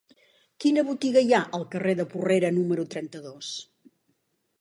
Quina botiga hi ha al carrer de Porrera número trenta-dos?